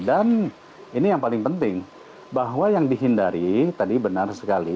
ini yang paling penting bahwa yang dihindari tadi benar sekali